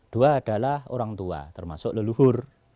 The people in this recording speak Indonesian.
dua adalah orang tua termasuk leluhur